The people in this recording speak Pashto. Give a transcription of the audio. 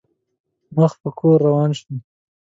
مخ په کور روان شوم.